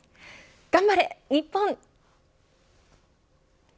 頑張れ、日本。